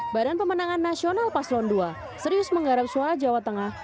badan pemenangan nasional paslon dua serius menggarap suara jawa tengah